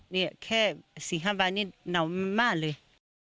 นี่แค่สี่ห้าบาทนี่หนาวมากเลย